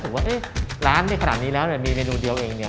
รู้สึกว่าเอ๊ะร้านเนี่ยขนาดนี้แล้วเนี่ยมีเมนูเดียวเองเนี่ย